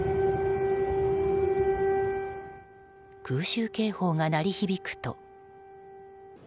空襲警報が鳴り響くと。